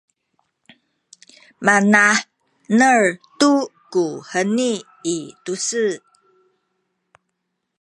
mana’nel tu ku heni i tu-se